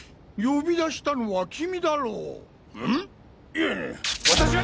いや私は。